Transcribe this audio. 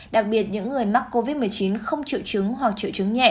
đặc biệt những người mắc covid một mươi chín không triệu chứng hoặc triệu chứng nhẹ